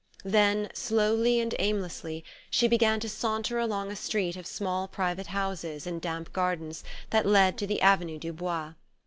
Then, slowly and aimlessly, she began to saunter along a street of small private houses in damp gardens that led to the Avenue du Bois.